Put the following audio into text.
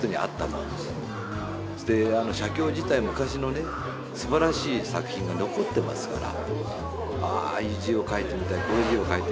そして写経自体昔のすばらしい作品が残ってますから「あああいう字を書いてみたい